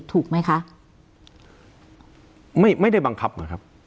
ถูกไหมคะไม่ไม่ได้บังคับเหรอครับ